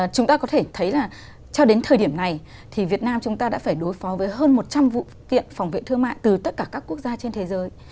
chúng ta có thể thấy là cho đến thời điểm này thì việt nam chúng ta đã phải đối phó với hơn một trăm linh vụ kiện phòng vệ thương mại từ tất cả các quốc gia trên thế giới